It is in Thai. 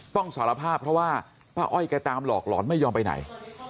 สารภาพเพราะว่าป้าอ้อยแกตามหลอกหลอนไม่ยอมไปไหน